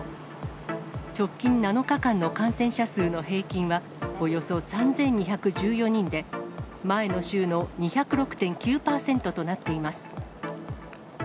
直近７日間の感染者数の平均はおよそ３２１４人で、前の週の２０６．９％となっています。